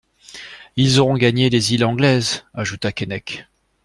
Ils auront gagné les îles anglaises, ajouta Keinec.